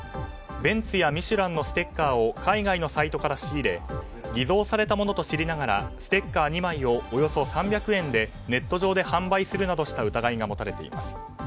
ベンツやミシュランのステッカーを海外のサイトから仕入れ偽造されたものと知りながらステッカー２枚をおよそ３００円でネット上で販売するなどした疑いが持たれています。